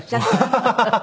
ハハハハ。